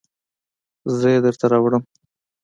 زه یې درته راوړم